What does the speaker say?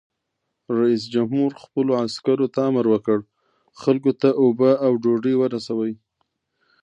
رئیس جمهور خپلو عسکرو ته امر وکړ؛ خلکو ته اوبه او ډوډۍ ورسوئ!